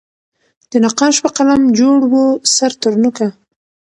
د نقاش په قلم جوړ وو سر ترنوکه